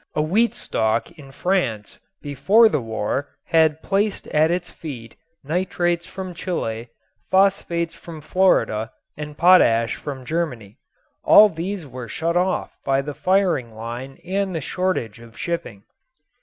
A wheat stalk in France before the war had placed at its feet nitrates from Chile, phosphates from Florida and potash from Germany. All these were shut off by the firing line and the shortage of shipping.